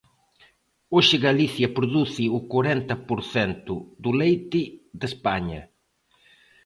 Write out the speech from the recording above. Hoxe Galicia produce o corenta por cento do leite de España.